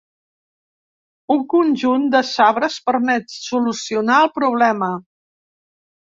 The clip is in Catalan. Un conjunt de sabres permet solucionar el problema.